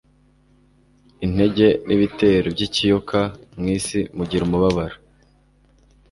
intege n’ibitero by’ikiyoka. “Mu isi mugira umubabaro,